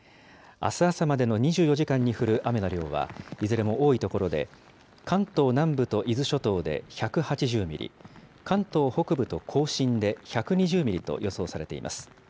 あす朝までに２４時間に降る雨の量はいずれも多い所で、関東南部と伊豆諸島で１８０ミリ、関東北部と甲信で１２０ミリと予想されています。